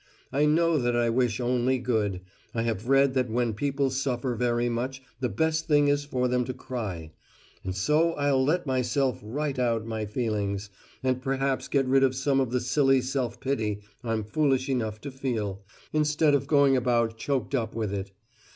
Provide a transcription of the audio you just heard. I know that I wish only good. I have read that when people suffer very much the best thing is for them to cry. And so I'll let myself write out my feelings and perhaps get rid of some of the silly self pity I'm foolish enough to feel, instead of going about choked up with it.